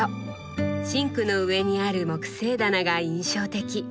シンクの上にある木製棚が印象的。